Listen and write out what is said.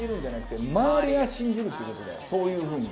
そういうふうに。